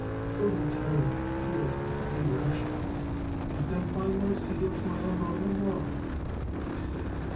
Ferdy turned and appealed to B. Rashkin. "Ain't them fine words to hear from my own brother in law?" he said.